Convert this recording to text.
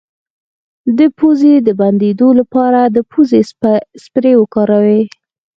د پوزې د بندیدو لپاره د پوزې سپری وکاروئ